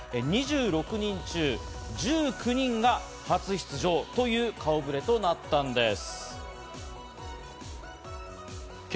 ２６人中１９人が初出場という顔ぶれとなったんです。